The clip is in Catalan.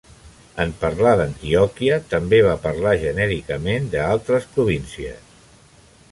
En parlar d'Antioquia, també va parlar genèricament de "altres províncies".